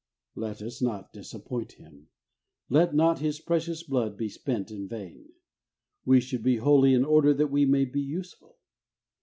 Let us not disappoint Him. Let not His precious Blood be spent in vain. We should be holy, in order that we may be useful.